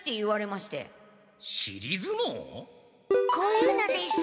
こういうのです。